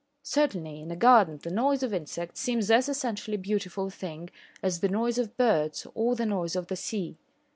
Certainly in a garden the noise of insects seems as essentially beautiful a thing as the noise of birds or the noise of the sea.